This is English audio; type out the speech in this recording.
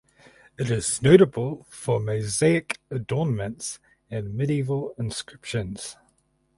It is notable for mosaic adornments and medieval inscriptions.